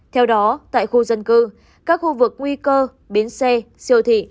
theo đó tại khu dân cư các khu vực nguy cơ biến xe siêu thị